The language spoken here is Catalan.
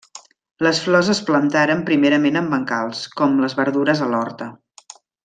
Les flors es plantaren primerament en bancals, com les verdures a l'horta.